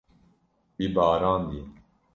Wî barandiye.